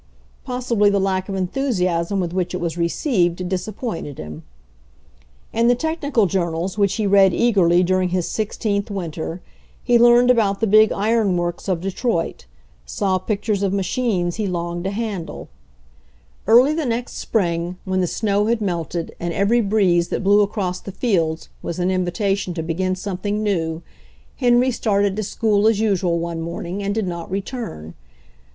Possibly the lack of enthusiasm with which it was received disappointed him. In the technical journals which he read eagerly during his sixteenth winter, he learned about the big iron works of Detroit, saw pictures of ma chines he longed to handle. 16 HENRY FORD'S OWN STORY Early the next spring, when the snow had melted, and every breeze that blew across the fields was an invitation to begin something new, Henry started to school as usual one morning, and did not return.